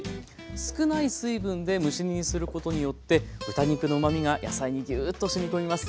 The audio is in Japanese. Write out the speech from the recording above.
少ない水分で蒸し煮にすることによって豚肉のうまみが野菜にギューッとしみ込みます。